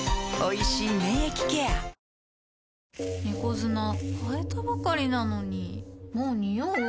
猫砂替えたばかりなのにもうニオう？